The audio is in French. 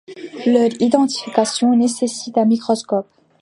Leur identification nécessite un microscope.